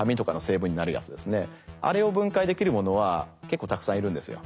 あれを分解できるものは結構たくさんいるんですよ。